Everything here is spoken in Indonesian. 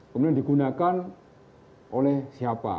kemudian digunakan oleh siapa